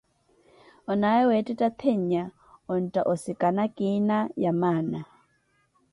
Onaye wettetta tennya ontta osikana kiina yamaana.